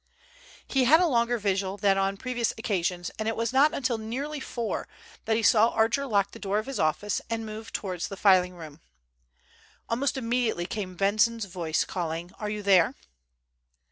He had a longer vigil than on previous occasions, and it was not until nearly four that he saw Archer lock the door of his office and move towards the filing room. Almost immediately came Benson's voice calling: "Are you there?"